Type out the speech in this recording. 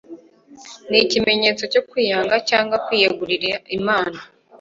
ni ikimenyetso cyo kwiyanga cyangwa kwiyegurira imana